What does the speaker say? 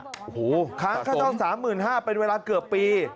โอ้โหค้างค่าเช่าสามหมื่นห้าเป็นเวลาเกือบปี